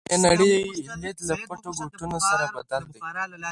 د دې نړۍ لید له پټو ګوټونو سره بلد شي.